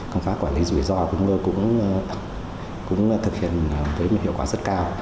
công pháp quản lý rủi ro cũng thực hiện với hiệu quả rất cao